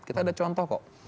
kita ada contoh kok